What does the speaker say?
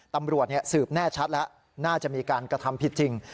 ตำรวจสืบแน่ชัดแล้วน่าจะมีการกระทำผิดจริง